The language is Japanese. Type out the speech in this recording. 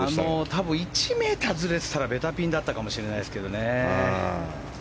多分１ｍずれてたらベタピンだったかもしれないですけどね。